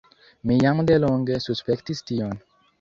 Mi jam delonge suspektis tion.